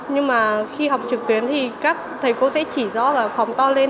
nhưng mà khi học trực tuyến thì các thầy cô sẽ chỉ rõ là phòng to lên